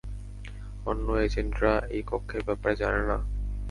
অন্য অ্যাজেন্টরা এই কক্ষের ব্যাপারে জানে না?